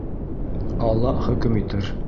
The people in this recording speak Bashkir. Алла хөкөм итер.